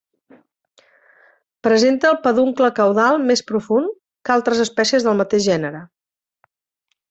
Presenta el peduncle caudal més profund que altres espècies del mateix gènere.